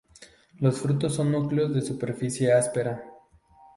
Los frutos son núculas de superficie áspera.